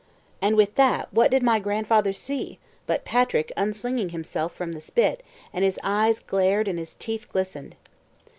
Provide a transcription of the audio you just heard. And with that what did my grandfather see, but Patrick unslinging himself from the spit and his eyes glared and his teeth glistened.